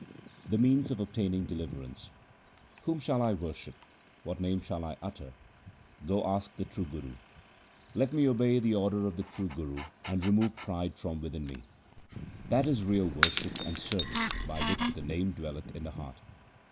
The means of obtaining deliverance :— Whom shall I worship ? What name shall I utter ? Go ask the true Guru. Let me obey the order of the true Guru and remove pride from within me. That is real worship and service by which the Name dwelleth in the heart.